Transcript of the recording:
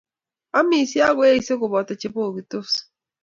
Amisiei ak koeeisei koboto che bogitos